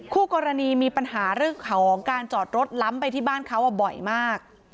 คู่กรณีมีปัญหาเรื่องของการจอดรถล้ำไปที่บ้านเขาบ่อยมาก